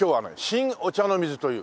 新御茶ノ水という。